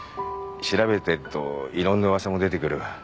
調べてるといろんな噂も出てくる。